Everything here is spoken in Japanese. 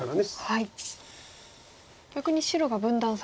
はい。